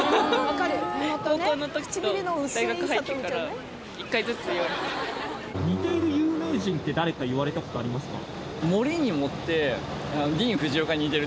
高校の時と大学入ってから１回ずつ言われた似てる有名人って誰か言われたことありますか？